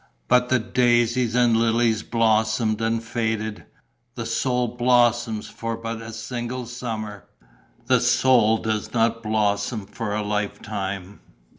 But the daisies and lilies blossomed and faded: the soul blossoms for but a single summer. The soul does not blossom for a lifetime.